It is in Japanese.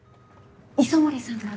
磯森さんが。